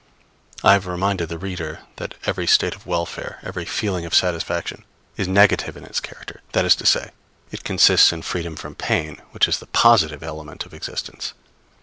I have reminded the reader that every state of welfare, every feeling of satisfaction, is negative in its character; that is to say, it consists in freedom from pain, which is the positive element of existence.